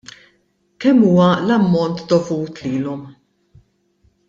Kemm huwa l-ammont dovut lilhom?